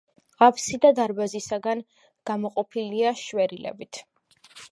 აბსიდა დარბაზისაგან გამოყოფილია შვერილებით.